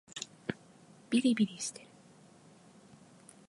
びりびりしてる